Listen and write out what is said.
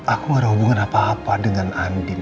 aku gak ada hubungan apa apa dengan andi